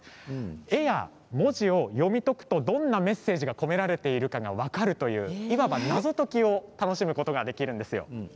絵や文字を読み解くとどんなメッセージが込められているのかが分かるいわば、謎解きを楽しむことができるんです。